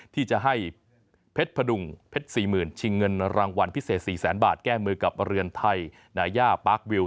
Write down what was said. ที่จะให้เพชรพดุงเพชร๔๐๐๐ชิงเงินรางวัลพิเศษ๔แสนบาทแก้มือกับเรือนไทยนาย่าปาร์ควิว